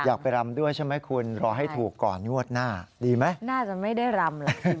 อยากไปรำด้วยใช่ไหมคุณรอให้ถูกก่อนยวดหน้าดีไหม